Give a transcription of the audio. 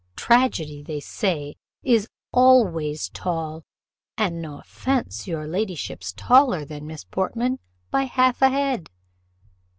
Tragedy, they say, is always tall; and, no offence, your ladyship's taller than Miss Portman by half a head."